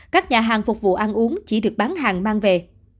các nhà hàng phục vụ ăn uống chỉ được bán hàng mang về